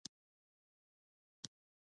کرنه توکل غواړي.